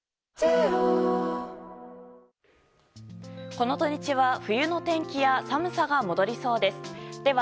この土日は冬の天気や寒さが戻りそうです。